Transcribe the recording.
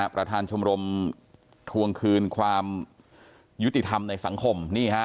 ประธานชมรมทวงคืนความยุติธรรมในสังคม